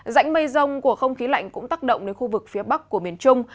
rãnh mây rông của không khí lạnh cũng tác động đến khu vực phía bắc của miền trung